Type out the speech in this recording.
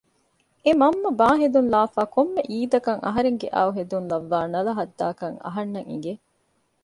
އެ މަންމަ ބާ ހެދުން ލާފައި ކޮންމެ އީދަކަށް އަހަރެންގެ އައު ހެދުން ލައްވާ ނަލަހައްދާކަން އަހަންނަށް އިނގެ